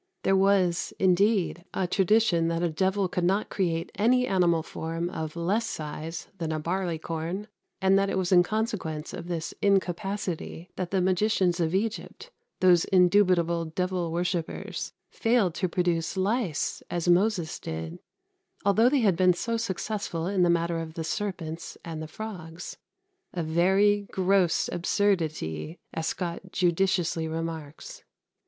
There was, indeed, a tradition that a devil could not create any animal form of less size than a barley corn, and that it was in consequence of this incapacity that the magicians of Egypt those indubitable devil worshippers failed to produce lice, as Moses did, although they had been so successful in the matter of the serpents and the frogs; "a verie gross absurditie," as Scot judiciously remarks.